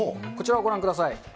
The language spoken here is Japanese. こちらをご覧ください。